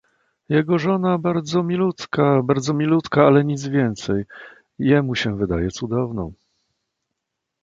"Jego żona bardzo milutka, bardzo milutka, ale nic więcej... Jemu się wydaje cudowną."